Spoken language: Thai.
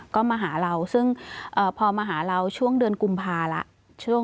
ก็มาหาเราซึ่งพอมาหาเราช่วงเดือนกุมภาแล้ว